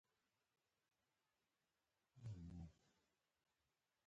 منډک چې د شهوت ناکرار لحظو کې راوستی و.